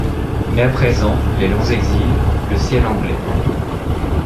Mais à présent-les longs exils, le ciel anglais